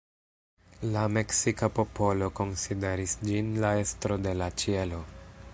La meksika popolo konsideris ĝin la estro de la ĉielo.